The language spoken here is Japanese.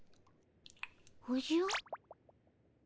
おじゃっ。